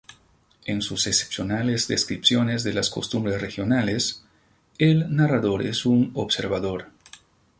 En sus excepcionales descripciones de las costumbres regionales, el narrador es un observador.